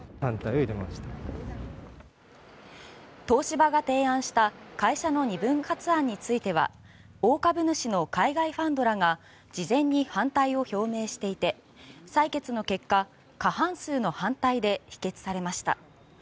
東芝が提案した会社の２分割案については大株主の海外ファンドらが事前に反対を表明していて採決の結果過半数の反対で否決されました。